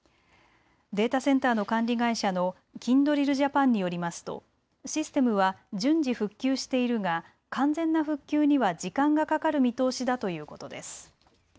データセンターの管理会社のキンドリルジャパンによりますとシステムは順次、復旧しているが完全な復旧には時間がかかる見通しだということです。